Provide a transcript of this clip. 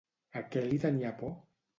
A què li tenia por?